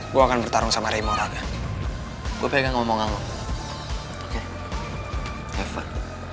gua akan bertarung sama ray moraga gua pegang ngomong ngomong oke have fun